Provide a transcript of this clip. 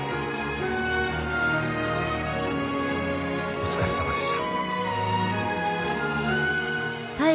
お疲れさまでした。